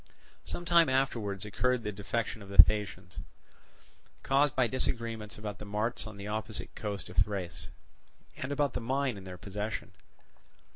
Some time afterwards occurred the defection of the Thasians, caused by disagreements about the marts on the opposite coast of Thrace, and about the mine in their possession.